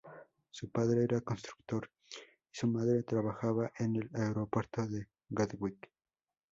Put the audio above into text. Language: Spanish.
Su padre era constructor y su madre trabajaba en el aeropuerto de Gatwick.